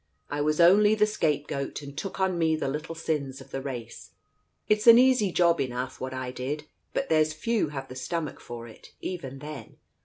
I was only the 'scapegoat, and took on me the little sins of the race. It's an easy job enough, what I did, but there's few have the stomach for it, even then.